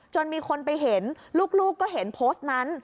มีคนไปเห็นลูกก็เห็นโพสต์นั้น